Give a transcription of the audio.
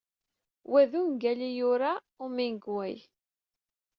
Wa d ungal ay yura Hemingway.